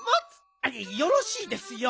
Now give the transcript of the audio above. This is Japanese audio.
よろしいですよ。